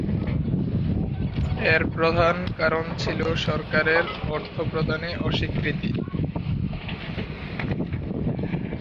এর প্রধান কারণ ছিল সরকারের অর্থ প্রদানে অস্বীকৃতি।